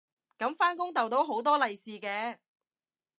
噉返工逗到好多利是嘅